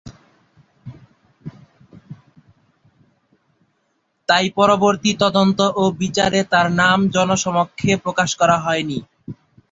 তাই পরবর্তী তদন্ত ও বিচারে তার নাম জনসমক্ষে প্রকাশ করা হয়নি।